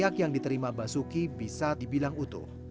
makanya tadi atraksi ttinggaku tidak genau